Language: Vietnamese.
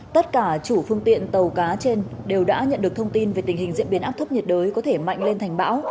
tất cả chủ phương tiện tàu cá trên đều đã nhận được thông tin về tình hình diễn biến áp thấp nhiệt đới có thể mạnh lên thành bão